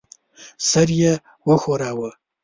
سر یې وښوراوه.